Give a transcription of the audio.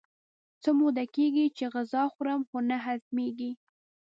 څه موده کېږي چې غذا خورم خو نه هضمېږي.